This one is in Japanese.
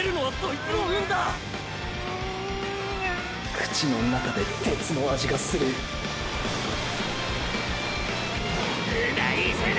口の中で鉄の味がするうな泉！！